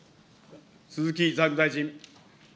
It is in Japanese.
鈴木財務大臣。